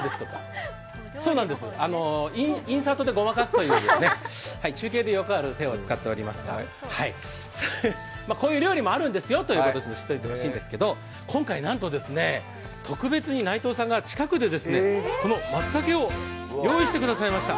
そうなんです、インサートでごまかすというね、中継でよくある手を使っておりますがこういう料理もあるんですよということも知っておいてほしいんですけど、今回、なんとですね、特別に内藤さんが近くで、このまつたけを用意してくださいました。